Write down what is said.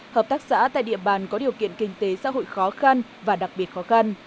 hợp tác xã tại địa bàn có điều kiện kinh tế xã hội khó khăn và đặc biệt khó khăn